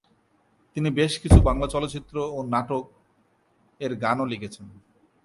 তিনি বেশ কিছু বাংলা চলচ্চিত্র ও নাটক এর গানও লিখেছেন।